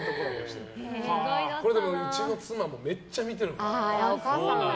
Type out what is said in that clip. でも、うちの妻もこれめっちゃ見てる。